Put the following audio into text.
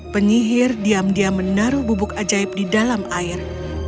penyihir diam diam menaruh bubuk ajaib di dalam air